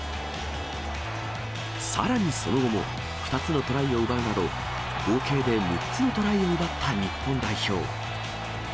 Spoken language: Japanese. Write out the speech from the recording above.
さらにその後も２つのトライを奪うなど、合計で６つのトライを奪った日本代表。